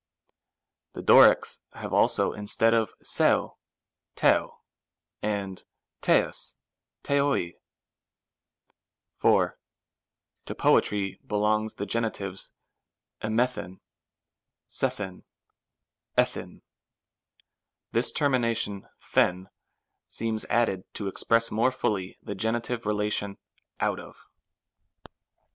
The Dorics have also instead of ctVy Ttv and TtiK;, rsoco. 4. To poetry belongs the genitives ifjts&tVy ck&tVy i&sv. This termination &ev seems added to express more fully the genitive relation (out of).